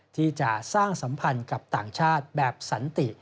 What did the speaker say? ที่จะสร้างสัมพันธ์กับต่างชาติแบบสันติ